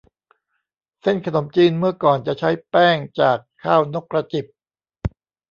เส้นขนมจีนเมื่อก่อนจะใช้แป้งจากข้าวนกกระจิบ